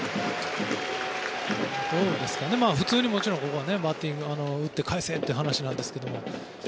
もちろんここはバッティングで打ってかえせっていう話なんですけど。